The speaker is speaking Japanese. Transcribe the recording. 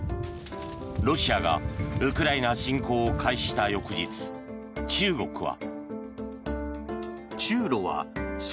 ロシアがウクライナ侵攻を開始した翌日、中国は。